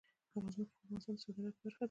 ځمکه د افغانستان د صادراتو برخه ده.